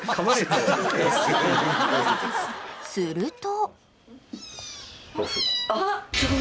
［すると］